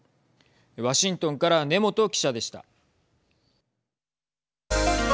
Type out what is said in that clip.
ワシントンから根本記者でした。